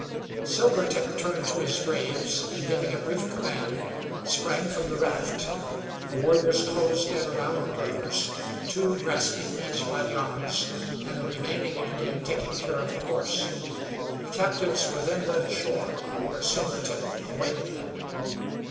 Silvertip turned to his braves, and giving a brief command, sprang from the raft. The warriors closed in around the brothers; two grasping each by the arms, and the remaining Indian taking care of the horse. The captives were then led ashore, where Silvertip awaited them.